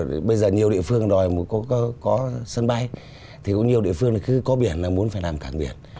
vì bây giờ nhiều địa phương đòi có sân bay thì cũng nhiều địa phương cứ có biển là muốn phải làm cảng biển